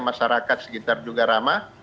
masyarakat sekitar juga ramah